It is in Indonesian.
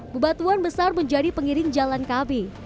bebatuan besar menjadi pengiring jalan kami